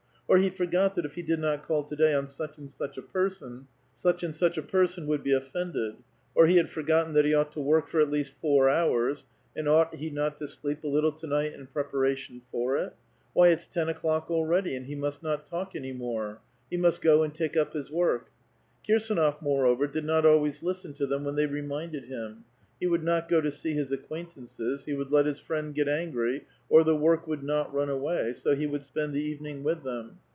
Or he forgot that if he did not call to day on such and such a person, such and such a person would be offended ; or he had forgotten that he ought to work for at least four hours, and ought he not to sleep a little to night in preparation for it?* Why, it's ten o'clock already, and he must not talk any more ; he must go and take up his work. Kii'sdnof , moreover, did not always listen to them when they reminded him ; he would not go to see his acquaintances, he would let his friend get angry, or the work would not run away, so he would spend the evening with them.